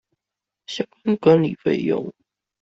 相關管理費用